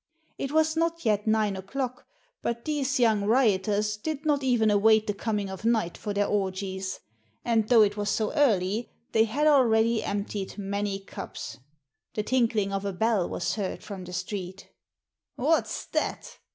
It was not yet nine o'clock, but these young rioters did not even await the coming of night for their orgies ; and though it was so early, they had already emptied many cups. The tinkling of a bell was heard from the street. "What's that?"